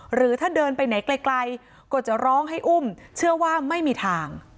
หรือถ้าเดินไปไหนไกลก็จะร้องให้อุ้มเชื่อว่าไม่มีทาง